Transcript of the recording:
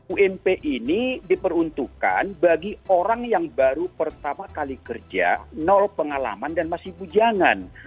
ump ini diperuntukkan bagi orang yang baru pertama kali kerja nol pengalaman dan masih bujangan